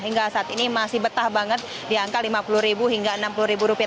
hingga saat ini masih betah banget di angka lima puluh ribu hingga enam puluh ribu rupiah